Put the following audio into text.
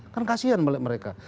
kan kasihan mereka